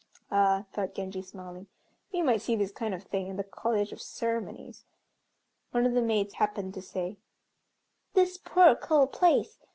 "Ah," thought Genji, smiling, "we might see this kind of thing in the college of ceremonies." One of the maids happened to say, "This poor cold place!